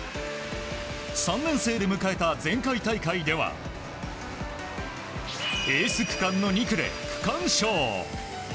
３年生で迎えた前回大会ではエース区間の２区で区間賞。